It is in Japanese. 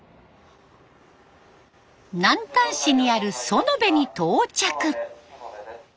南丹市にある園部に到着。